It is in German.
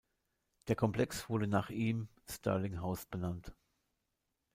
Der Komplex wurde nach ihm „Stirling House“ benannt.